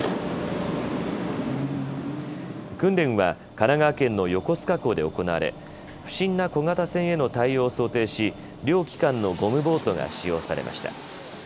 訓練は神奈川県の横須賀港で行われ不審な小型船への対応を想定し両機関のゴムボートが使用されました。